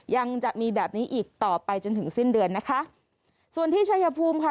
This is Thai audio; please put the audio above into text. ยังมีแบบนี้อีกต่อไปจนถึงสิ้นเดือนนะคะส่วนที่ชายภูมิค่ะ